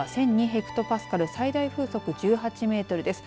ヘクトパスカル最大風速１８メートルです。